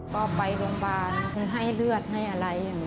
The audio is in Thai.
พ่อไปโรงบ้านให้เลือดให้อะไร